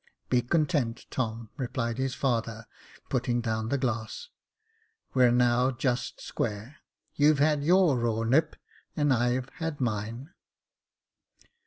" Be content, Tom," replied his father, putting down the glass :*' we're now just square. You've had your raw nip, and I've had mine."